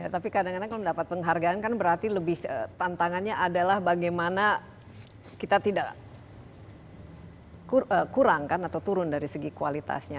tapi kadang kadang kalau mendapat penghargaan kan berarti lebih tantangannya adalah bagaimana kita tidak kurangkan atau turun dari segi kualitasnya